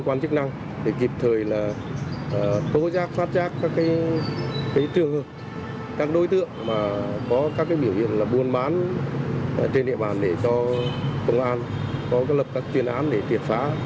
cơ quan chức năng để kịp thời là cố giác phát giác các đối tượng có các biểu hiện buôn bán trên địa bàn để cho công an có lập các tuyên án để kiệt phá